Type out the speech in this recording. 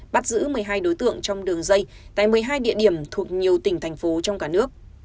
bắt giữ một mươi hai đối tượng trong đường dây tại một mươi hai địa điểm thuộc nhiều tỉnh thành phố trong cả nước